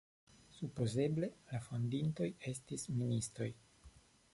Supozeble la fondintoj estis ministoj.